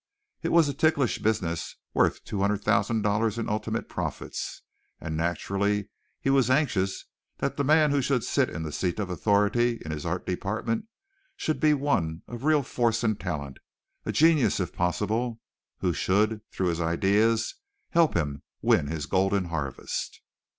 It was a ticklish business, worth two hundred thousand dollars in ultimate profits, and naturally he was anxious that the man who should sit in the seat of authority in his art department should be one of real force and talent a genius if possible, who should, through his ideas, help him win his golden harvest.